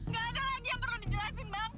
gak ada lagi yang perlu dijelasin bang